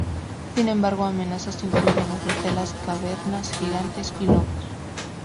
Sin embargo amenazas incluyen osos de las cavernas gigantes y lobos.